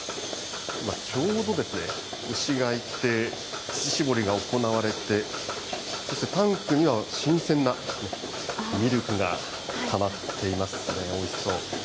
今、ちょうど牛がいて、乳搾りが行われて、そしてタンクには新鮮なミルクがたまっていますね、おいしそう。